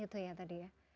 itu ya tadi ya